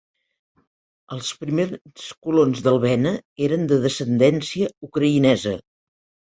Els primers colons d'Alvena eren de descendència ucraïnesa.